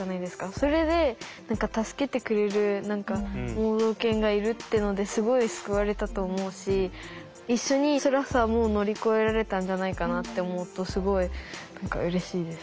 それで助けてくれる盲導犬がいるってのですごい救われたと思うし一緒につらさも乗り越えられたんじゃないかなって思うとすごい何かうれしいです。